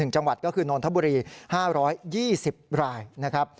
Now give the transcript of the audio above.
๑จังหวัดก็คือนนทบุรี๕๒๐รายนะครับ